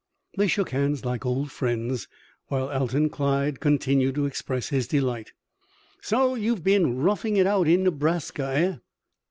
They shook hands like old friends, while Alton Clyde continued to express his delight. "So you've been roughing it out in Nebraska, eh?"